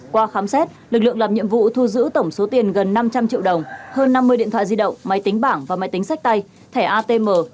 qua khám xét lực lượng làm nhiệm vụ thu giữ tổng số tiền gần năm trăm linh triệu đồng hơn năm mươi điện thoại di động máy tính bảng và máy tính sách tay thẻ atm